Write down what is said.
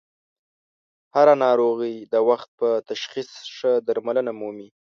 هر ه ناروغي د وخت په تشخیص ښه درملنه مومي.